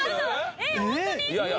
えっ？